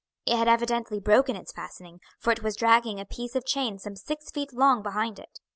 It had evidently broken its fastening, for it was dragging a piece of chain some six feet long behind it.